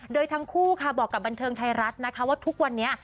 โดยทั้งคู่ค่ะบอกกับบันเทิงไทยรัฐนะคะว่าทุกวันนี้